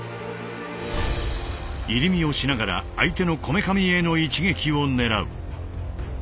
入身をしながら相手のこめかみへの一撃を狙う。